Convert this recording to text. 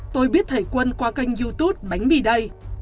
tôi biết thầy quân qua kênh youtube bánh mì đây